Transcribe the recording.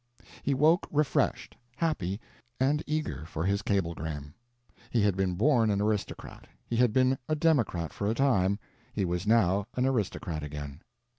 He woke refreshed, happy, and eager for his cablegram. He had been born an aristocrat, he had been a democrat for a time, he was now an aristocrat again.